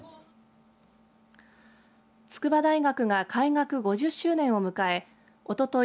筑波大学が開学５０周年を迎えおととい